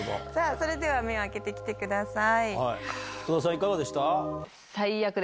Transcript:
それでは目を開けてください。